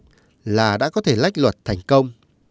thật ra đã có thể lách luật thành công